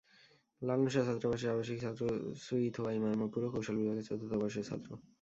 লালন শাহ ছাত্রাবাসের আবাসিক ছাত্র সুইথোয়াই মারমা পুরকৌশল বিভাগের চতুর্থ বর্ষের ছাত্র।